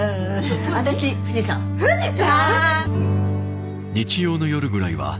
私富士山富士山？